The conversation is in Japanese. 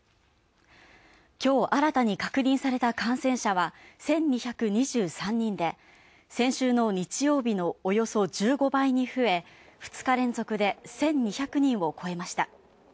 きょう新たに確認された感染者は１２２３人で、先週の日曜日のおよそ１５倍に増え、２日連続で１２００人を超えました。